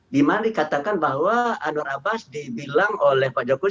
di mana dikatakan bahwa anur abbas dibilang oleh pak jokowi